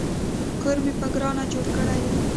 کور مې په ګرانه جوړ کړی دی